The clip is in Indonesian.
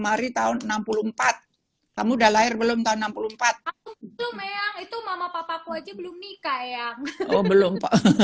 hai tahun enam puluh empat kaskudala er belum tahun enam puluh empat belum